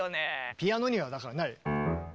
ピアノにはだからない。